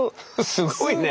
すごいね。